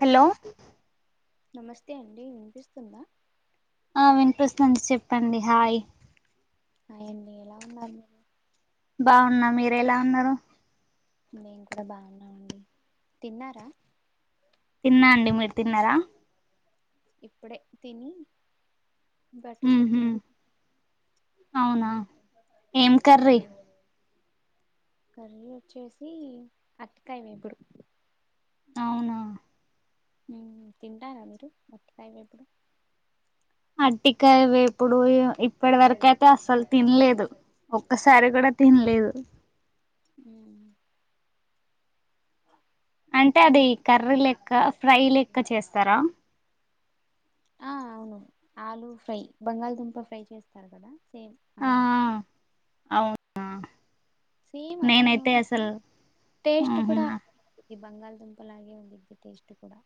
Hello నమస్తే అండి వినిపిస్తుందా ఆ వినిపిస్తుంది చెప్పండి హాయ్ హాయ్ అండి ఎలా ఉన్నారు మీరు బాగున్నా మీరు ఎలా ఉన్నారు మేము కూడా బాగునమండి తిన్నారా తిన్నా అండి మీరు తిన్నారా ఇప్పుడే తిని బట్టలు ఉహు కుడుతున్నా అవునా ఏం కరీ కర్రీ వచ్చేసి అటికాయ వేపుడు అవునా ఆ తింటారా మీరు అరటికాయ వేపుడు అరిటికాయ వేపుడు ఇప్పటి వరకయితే అసలు తినలేదు ఒక్కసారి కూడా తినలేదు ఉమ్ అంటే అది కర్రీ లెక్క ఫ్రై లెక్క చేస్తారా ఆ అవును ఆలు ఫ్రై బంగాళదుంప ఫ్రై చేస్తారు కదా సేమ్ ఆ అలానే ఆ అవునా సేమ్ అలానే నేనైతే ఉంటుంది అసలు టేస్ట్ ఉహు కూడా ఇది బంగాళదుంప లాగె వుంది ఇది టెస్ట్ కూడా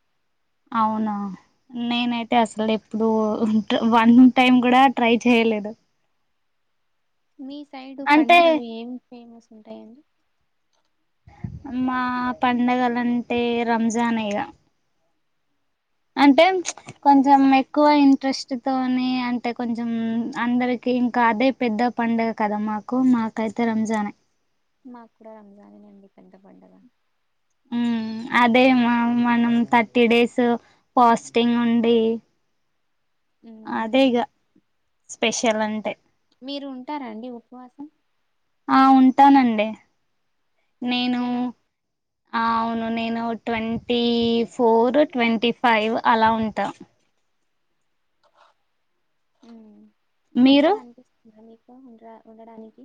అవునా నేనైతే అసలెప్పుడూ వన్ టైం గుడా ట్రై చేయలేదు. మీ సైడ్ అంటే పడుగలు ఏం ఫేమస్ ఉంటయండి? మా పండగలంటే రంజానే ఇగ అంటేం కొంచం ఎక్కువ ఇంట్రెస్ట్ తోని అంటే కొంచం అందరికి ఇంకా అదే పెద్ద పండగ కదా మాకు మాకైతే రంజానే మాక్ కూడా రంజానే నండి పెద్ద పండగ మ్ అదే మా మనం థర్టీ డేస్ ఫాస్టింగ్ ఉండి ఉమ్ అదే ఇగ స్పెషల్ అంటే మీరు ఉంటారా అండి ఉపవాసం ఆ ఉంటానండి నేనూ నెల ఆ అవును నేను ట్వంటీ ఫోర్, ట్వంటీ ఫైవ్ అలా ఉంటా. మ్ మీరు మంచిగ అనిపిస్తుంద మీకు ఉండ్ర ఉండడానికి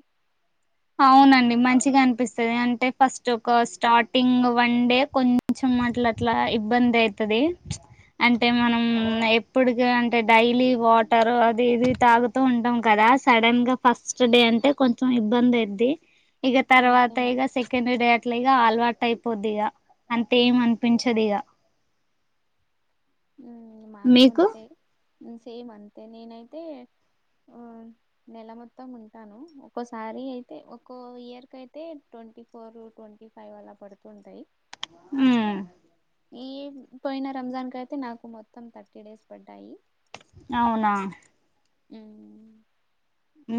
అవునండి మంచిగా అనిపిస్తది అంటే ఫస్ట్ ఒక స్టార్టింగ్ వన్ డే కొన్ చం అట్లట్లా ఇబ్బందైతది అంటే మనం ఎప్పుడుగా అన్ టే డైలీ వాటర్ అది ఇది తాగుతూ ఉంటాం కదా సడన్గ ఫస్ట్ డే అంటే కొంచెం ఇబ్బందైద్ది ఇగ అంతే తర్వాత మరి ఇగ సె కండే అట్ల ఇగ అలవాటైపోద్దిగ అంతేం అనిపించదిగ మ్ మాకు మీకు అంతే సేమ్ అంతే నేనైతే మ్ నెల మొత్తం ఉంటాను. ఒక్కోసారి అయితే ఒక్కో ఇయర్కైతే ట్వంటీ ఫోర్, ట్వంటీ ఫైవ్ అలా పడుతుంటయి. మ్ ఈ పొయిన రంజాన్ కైతే నాకు మొత్తం థర్టీ డేస్ పడ్డాయి. అవునా మ్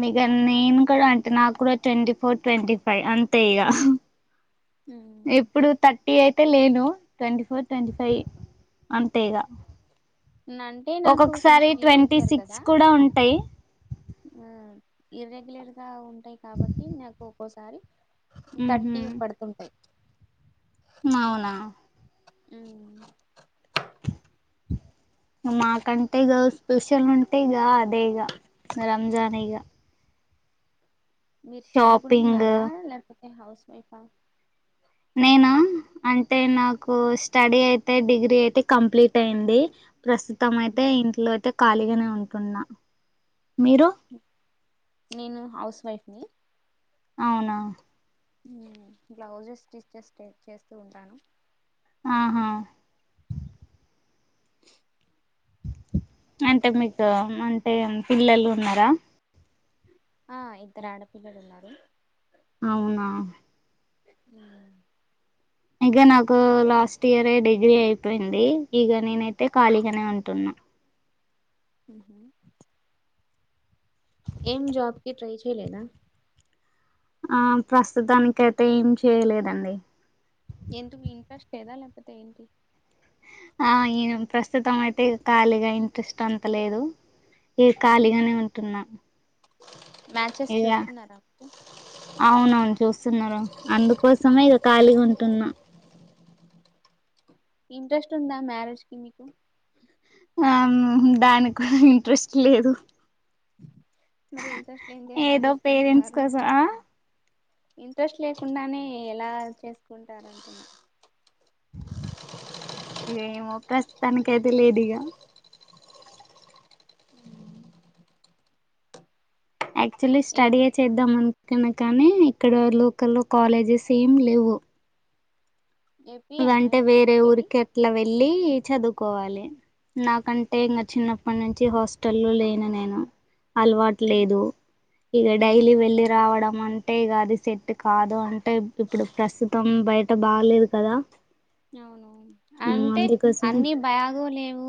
నిగ నేన్ కూడా అంటే నాక్ కూడా ట్వంటీ ఫోర్, ట్వంటీ ఫైవ్ అంతే ఇగ మ్మ్. ఇప్పుడు తట్ టీ అయితే లేను ట్వంటీ ఫోర్ ట్వంటీ ఫైవ్ అంతే ఇగ నా- అంటే నాకు ఒకొక్సారి కొంచెం ట్వంటీ ఇర్రెగ్యులర్ సిక్స్ కూడ ఉంటయి. మ్ ఇర్రెగ్యులర్గా ఉంటాయి కాబట్టి నాకు ఒక్కోసారి ఉహు థర్టీ పడుతుంటయి. మౌనా మ్ మా కంటే గర్ల్స్ స్పెషల్ ఉంటే ఇగ అదే ఇగ రంజానే ఇగ మీర్ షాపింగ్ చదువుకుంటున్నారా, లేకపోతే హౌస్ వైఫా? నేనా అంటే నాకు స్టడీ అయితే డిగ్రీ అయితే కంప్లీట్ అయింది. ప్రస్తుతం అయితే ఇంట్లో అయితే ఖాళీగనే ఉంటున్న, మీరు? నేను హౌస్ వైఫ్ని. అవునా బ్లౌజెస్ స్టిచెస్టే చేస్తూ ఉంటాను. ఆహా! అంటే మీకు అంటే పిల్లలున్నరా? ఆ ఇద్దర్ ఆడపిల్లలున్నారు. అవునా ఆ ఇక నాకు లాస్ట్ ఇయర్ డిగ్రీ అయిపోయింది ఇక నేనైతే ఖాళీగానే ఉంటున్నా ఉహు ఏం జాబ్కి ట్రై చేయలేద ఆ ప్రస్తుతానినిక అయితే ఏం చేయలేదండి ఎందుకు ఇంట్రెస్ట్ లేదా లేకపోతే ఏంటి ఆ [unintelligible] ప్రస్తుతం అయితే ఖాళీగా ఇంట్రెస్ట్ అంత లేదు ఏ ఖాళీగానే ఉంటున్నా మ్యాచెస్ ఇక చూస్తున్నర అ అవునవును చూస్తున్నారు అందుకోసమే ఇగ ఖాళీగా ఉంటున్నా ఇంట్రెస్ట్ ఉంద మ్యారేజ్ కి మీకు ఆ దానికి కూడ ఇంట్రెస్ట్ లేదు మరి ఇంట్రెస్ట్ లేందే ఎలా ఏదో పేరెంట్స్ చేసుకుంటున్నారు కోసం ఆ ఇంట్రెస్ట్ లేకుండానే ఎలా చేసుకుంటారు అం [unintelligible] ఏమో ప్రస్తుతానికి అయితే లేదు ఇగ ఉ యాక్చువల్లీ ఏ స్టడీయ చేద్దాం అనుకున్న కానీ ఇక్కడ లోకల్లో కాలేజెస్ ఏం లేవు ఏపీయేనా అంటే ఇది వేరే మీది ఊరికి అట్లా వెళ్ళి చదువుకోవాలి నాకంటే ఇంగ చిన్నప్పటి నుంచి హాస్టల్ లేను నేను అలవాటు మ్మ్ లేదు ఇక ఉమ్ డైలీ వెళ్ళలి రావడం అంటే ఇక అది సెట్ కాదు [unintelligible] [unintelligible] ఇప్పుడు ప్రస్తుతం బయట బాలేదు కదా అవునువును మ్ అంటే అందుకోసం అన్ని భయా కాదు లేవు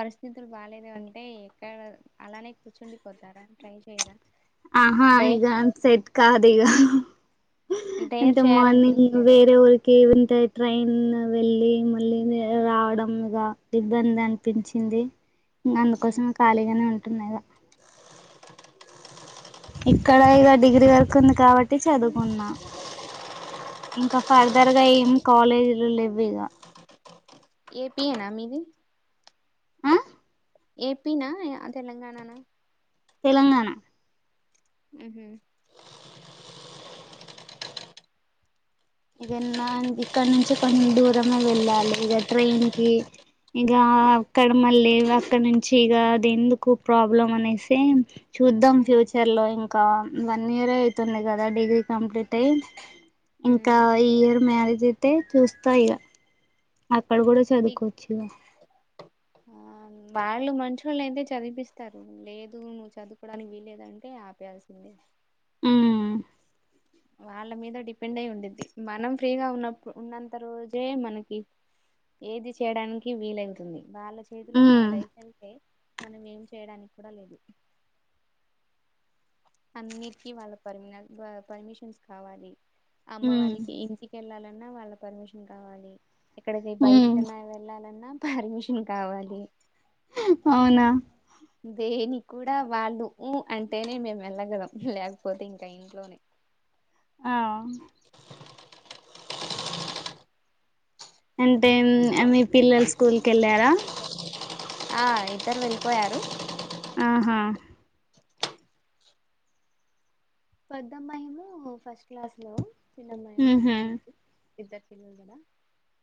పరిస్థితులు బాలేదు అంటే ఎక్కడ అలానే కూర్చుండిపోతార ట్రై చేర ఆహా ఇగ సెట్ కాదు ఇగ డైర్ అంటే మార్నింగ్ చేయాలనిపించలేదా వేరే [unintelligible] ట్రైన్ వెళ్ళి మళ్ళీ రావడంగా ఇబ్బంది అనిపించింది అ అందుకోసమే ఖాళీగానే ఉంటున్నా ఇగ ఇక్కడ ఇక డిగ్రీ వరకు ఉంది కాబట్టి చదువుకున్న ఇంకా ఫర్దర్ గా ఏం కాలేజీలు లేవ్ ఇగ ఏపీ యేన మీది ఆ ఏపీన తెలంగాణనా తెలంగాణ ఉహు ఇగ ఇక్కడ నుంచి కొంచెం దూరమే వెళ్ళాలి ఇక ట్రైన్ కి ఇక అక్కడ మళ్ళీ అక్కడ నుంచి ఇగ అది ఎందుకు ప్రాబ్లం అనేసి చూద్దాం ఉమ్ ఫ్యూచర్లో ఇంకా వన్ ఇయర్ అవుతుంది కదా డిగ్రీ కంప్లీట్ అయి ఇ ఉమ్. ఈ ఇయర్ మ్యారేజ్ అయితే చూస్తా ఇ అక్కడ కూడా డి చదువుకోవచ్చు ఇక ఆ వాళ్ళు మంచోళ్లు అయితే చదిపిస్తారు లేదు నువ్వు చదువుకోడానికి వీలేదంటే [unintelligible] ఉ వాళ్ళ మీద డిపెండ్ అయి ఉండేద్ది మనం ఫ్రీగా ఉన్నప్పుడు ఉన్నంత రోజే మనకి ఏది చేయడానికి వీలగుతుంది వాళ్ళ చేతులోకి మన ఉమ్ లైఫ్ వెళ్తే మనం ఏం చేయడానికి కూడా లేదు అన్నిటికి వాళ్ళ పర్మినల్ పర్మిషన్స్ కావాలి అమ్మ ఉమ్ వాళ్ళకి ఇంటి వెళ్ళాలన్నా వాళ్ళ పర్మిషన్ కావాలి ఇక్కడికి ఉమ్ బయటికన్నా వెళ్ళాలన్నా పర్మిషన్ కావాలి అవునా దేని కూడా వాళ్ళు ఉ అంటేనే మేము వెళ్ళగలం లేకపోతే ఇంక ఇంట్లోనే ఆ అంటే మీ పిల్లల స్కూల్ కి వెళ్ళారా ఆ ఇద్దరు వెళ్ళిపోయారు ఆహా పెద్దమ్మాయేమో ఫస్ట్ క్లాస్ లో చిన్నమ్మాయేమో ఉహు అంగన్వాడి మాకి ఇద్దరు పిల్లలు కదా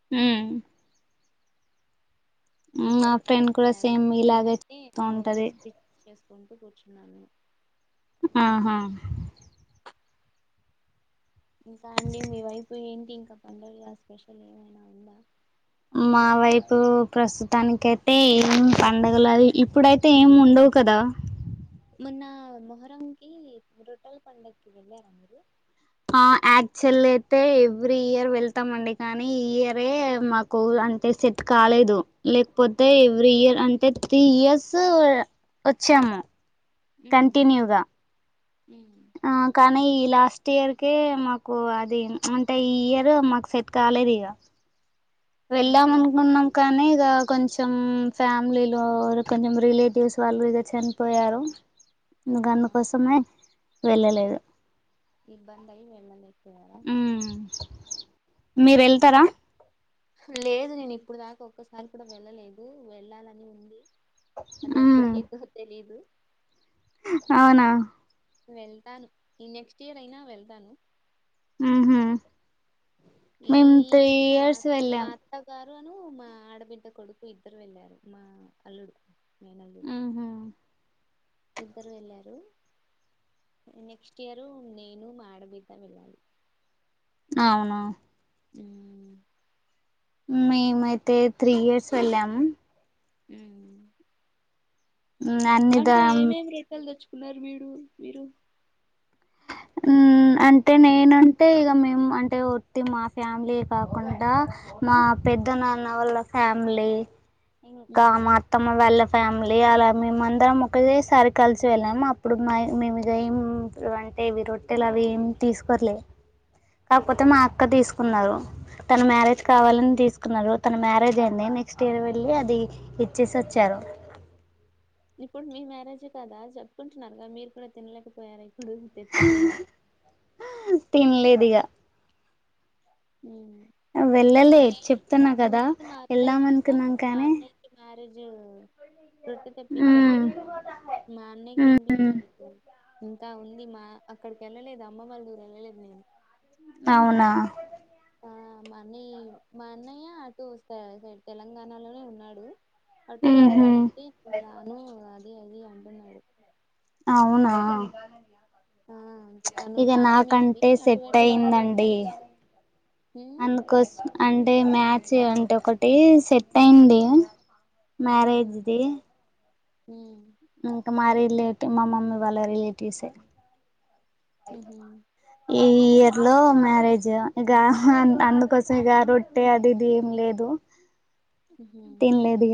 మ్ మా ఇద్దరు ఫ్రెండ్ కూడా చెప్పారు సేమ్ ఇలాగే నేనంటే చెప్తూ ఉంటది డ్రౌజర్ ఫిస్చ్ చేసుకుంటూ కూర్చున్నాను ఆహా ఇంకా అండి మీ వైపు ఏంటి ఇంకా పండగగా స్పెషల్ ఏమైనా ఉందా మా వైపు ప్రస్తుతానికి అయితే ఏం పండగల ఇప్పుడైతే ఏమి ఉండవు కదా మొన్న మొహరం కి రొట్టెల పండగకి వెళ్ళారా మీరు ఆ యాక్చువల్లి అయితే ఎవ్రీ ఇయర్ వెళ్తామండి కానీ ఈ ఇయరే మాకు కో అంటే సెట్ కాలేదు లేకపోతే ఎవ్రీ ఇయర్ అంటే త్రీ ఇయర్స్ వచ్చాము ఉమ్ కంటిన్యూగా ఉమ్ ఆ కానీ ఈ లాస్ట్ ఇయర్ కే మాకు అది అంటే ఈ ఇయర్ మాకు సెట్ కాలేదు ఇగ అంటే ఒక వెళ్ళామఅనుకున్నాం కానీ ఇగా కొంచెం ఫ్యామిలీలో కొంచెం రిలేటివ్స్ వాళ్ళు ఇదర్ చనిపోయారు ఇగందుకోసమే వెళ్ళలేదు ఇబ్బందయి వెళ్ళ లేకపోయార మీరు వెళ్తారా లేదు నేను ఇప్పుడు దాకా ఒక్కసారి కూడా వెళ్ళలేదు వెళ్ళాలని ఉంది అది ఉమ్ ఎప్పుడయిద్దొ తెలీదు అవునా వెళ్తాను ఈ నెక్స్ట్ ఇయర్ అయినా వెళ్తాను మ్ హు మ్ మేం త్రీ ఇయర్స్ వెళ్ళాం అత్త గారును మా ఆడబిడ్డ కొడుకు ఇద్దరు వెళ్ళారు మా అల్లుడు మేనల్లుడు మ్ హుమ్ ఇద్దరు వెళ్ళారు నెక్స్ట్ ఇయరు నేను మా ఆడబిడ్డ వెళ్ళాలి అవునా ఉమ్ మేమైతే త్రీ ఇయర్స్ వెళ్ళాము ఉమ్ అన్ని దా అంటే ఏమేమి రిక్కలు తెచ్చుకున్నారు మీరు మ్ అంటే నేనంటే ఇక మేము అంటే వత్తి మా ఫ్యామిలీ యె కాకుండా మా పెద్ద నాన్న వాళ్ళ ఫ్యామిలీ ఇంకా మా అత్తమ్మ వాళ్ళ ఫ్యామిలీ అలా మేమందరం ఒకేసారి కలిసి వెళ్ళాం అప్పుడు మేము ఇ ఏం అంటే వి రొట్టెలు అవి ఏం తీసుకోరులే. కాకపోతే మా అక్క తీసుకున్నారు. తన మ్యారేజ్ కావాలని తీసుకున్నారు. తన మ్యారేజ్ అయింది. నెక్స్ట్ ఇయర్ వెళ్ళి అది ఇచ్చేసి వచ్చారు. ఇప్పుడు మీ మ్యారేజే కదా చెప్పుకుంటున్నారు. మీరు కూడా తినలేకపోయారా ఇప్పుడు. హ్ తెచ్చుకొని ఆ ఆ తినలేదు ఇగ మ్ వెళ్ళలే చెప్తున్నా కదా నీకు మా వెళ్దాం అత్తయ్యకైనా అనుకున్నాం మా కానీ అన్నే మ్యారేజ్ రొట్ట తెప్పించాను. మ్మ్ మాఅన్నయ్య కి తినిపించారు ఇక్కడ. ఇంకా ఉంది మా, అక్కడికి వెళ్ళలేదు అమ్మ వాళ్ళ ఊరు వెళ్ళలేదు నేను. అవునా ఆ మా అన్ని మా అన్నయ్య అటు తెలంగాణలోనే ఉన్నాడు. అట్నుంచి ఉహు రమ్మంటే రాను అది అది అంటున్నాడు. అవునా ఆ తను ఇక టాపీ మేస్త్రి నాకంటే సెట్ అటువైపే పని చేస్తూ అయిందండి. హ్మ్ అందుకోసం అంటే మ్యాచ్ అంటే ఒకటి సెట్ అయింది. మ్యారేజ్ది మ్ ఇంకా మా రిలేటివ్ మా మమ్మీ వాళ్ళ రిలేటివ్స్. ఉహు ఈ ఇయర్ లో మ్యారేజ్. గాహన్ అందుకోసం గా రోజు అంటే అది ఇది ఏం లేదు. ఉహు తిన్లేదిగ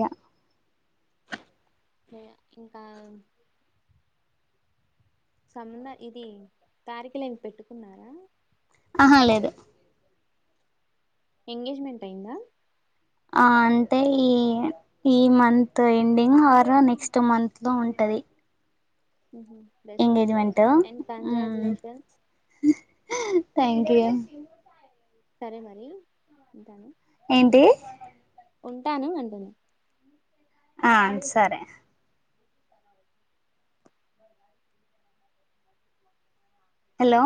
ఇంకా సంబంద ఇది తారిఖులని పెట్టుకున్నారా? ఆహా లేదు. ఎంగేజ్మెంట్ అయిందా? ఆ అంటే ఈ ఈ month ending or next month లో ఉంటాది. Best of luck engagement and congratulations. హా థ్యాంక్ యూ సరే మరి ఉంటాను. ఏంటి ఉంటాను అంటాది. ఆ సరే హలో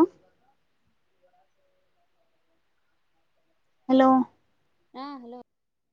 హలో ఆ హలో